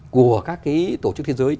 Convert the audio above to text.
của các cái tổ chức thế giới